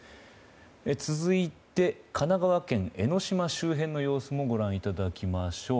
続いて、神奈川県江の島周辺の様子もご覧いただきましょう。